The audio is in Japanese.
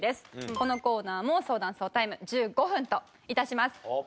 このコーナーも相談総タイム１５分と致します。